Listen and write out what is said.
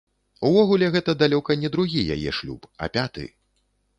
Увогуле, гэта далёка не другі яе шлюб, а пяты.